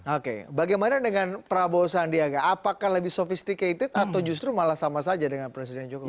oke bagaimana dengan prabowo sandiaga apakah lebih sophisticated atau justru malah sama saja dengan presiden jokowi